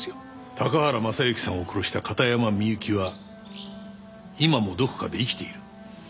高原雅之さんを殺した片山みゆきは今もどこかで生きている。